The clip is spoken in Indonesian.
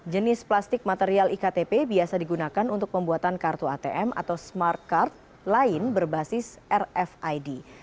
jenis plastik material iktp biasa digunakan untuk pembuatan kartu atm atau smart card lain berbasis rfid